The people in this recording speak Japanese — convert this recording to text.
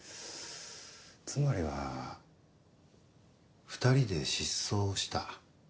つまりは２人で失踪した。